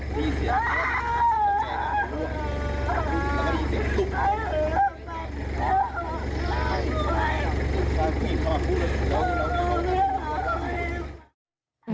อันนี้ครับพี่จีนรับให้มากัน